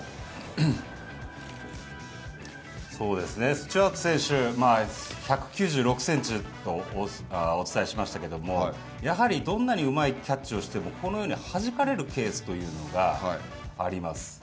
スチュワード選手、１９６センチとお伝えしましたけど、やはりどんなにうまいキャッチをしても、このようにはじかれるケースというのがあります。